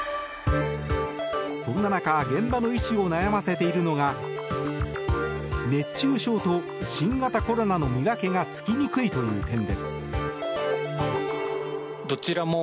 そんな中現場の医師を悩ませているのが熱中症と新型コロナの見分けがつきにくいという点です。